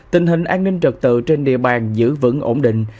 tình hình an ninh trật tự trên địa bàn giữ vững ổn định